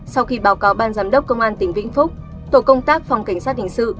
sau khi báo cáo ban giám đốc công an tỉnh vĩnh phúc tổ công tác phòng cảnh sát hình sự